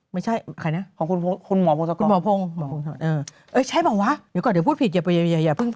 ไม่ใช่ไม่ใช่มันใช่มากยินอย่าก่อนจะพูดผิดอย่าพึ่ง